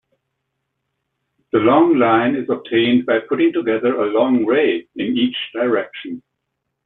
The long line is obtained by putting together a long ray in each direction.